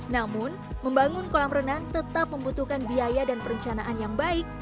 namun membangun kolam renang tetap membutuhkan biaya dan perencanaan yang baik